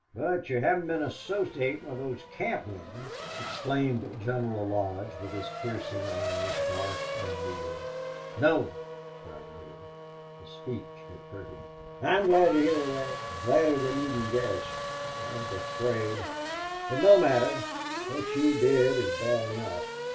"But you haven't been associating with those camp women!" exclaimed General Lodge, with his piercing eyes dark on Neale. "No!" cried Neale. The speech had hurt him. "I'm glad to hear that gladder than you can guess. I was afraid But no matter.... What you did do is bad enough.